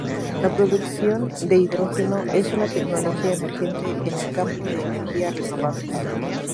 La producción de hidrógeno es una tecnología emergente en el campo de energía renovable.